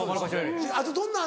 あとどんなん？